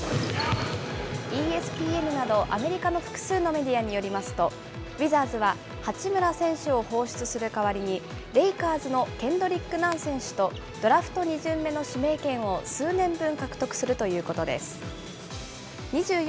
ＥＳＰＮなどアメリカの複数のメディアによりますと、ウィザーズは八村選手を放出する代わりに、レイカーズのケンドリック・ナン選手と、ドラフト２巡目の指名権を数年分獲得するということです。